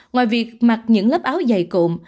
ngoài việc mặc những lớp áo dày cụm